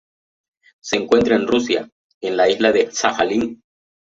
Se encuentra en Rusia, en la isla de Sajalín.